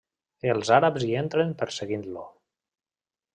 Els àrabs hi entren perseguint-lo.